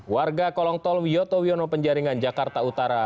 warga kolong tol wiyoto wiono penjaringan jakarta utara